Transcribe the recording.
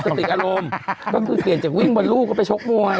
แล้วฉันติดอารมณ์ก็คือเกลียดจากวิ่งบนลูกก็ไปชกมวย